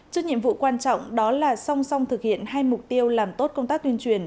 trước nhiệm vụ quan trọng đó là song song thực hiện hai mục tiêu làm tốt công tác tuyên truyền